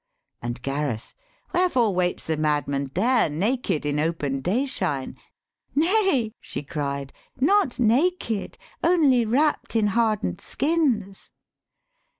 And Gareth, 'Wherefore waits the madman there Naked in open dayshine?' 'Nay,' she cried, 'Not naked, only wrapt in harden'd skins.'